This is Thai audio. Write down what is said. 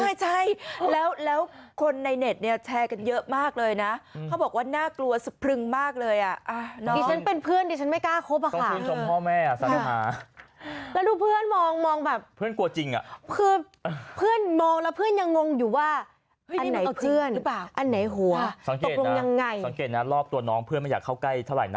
ไม่ใช่แล้วคนในเน็ตเนี่ยแชร์กันเยอะมากเลยนะเค้าบอกว่าน่ากลัวสบรึงมากเลยอ่ะ